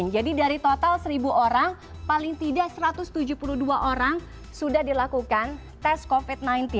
jadi dari total seribu orang paling tidak satu ratus tujuh puluh dua orang sudah dilakukan tes covid sembilan belas